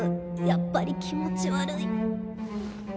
やっぱり気持ち悪い。